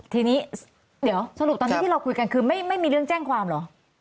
ทีนี้เดี๋ยวสรุปตอนนี้ที่เราคุยกันคือไม่มีเรื่องแจ้งความเหรอ